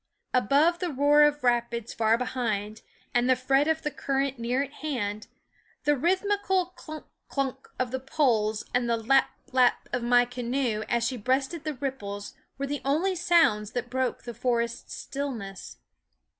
Above the roar of rapids far behind, and the fret of t ne current near at hand, the rhythmical clunk, clunk of the poles and the lap, lap of my little canoe as she breasted the ripples were the only sounds that broke the forest stillness.